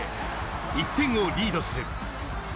１点をリードする。